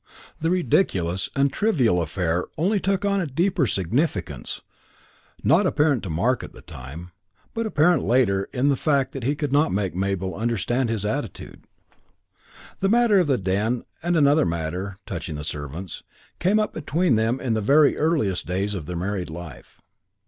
The ridiculous and trivial affair only took on a deeper significance not apparent to Mark at the time, but apparent later in the fact that he could not make Mabel understand his attitude. The matter of the den and another matter, touching the servants, came up between them in the very earliest days of their married life.